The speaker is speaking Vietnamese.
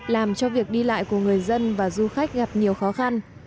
làm cho việc đi lại của người dân và du khách gặp nhiều khó khăn